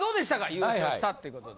優勝したって事で。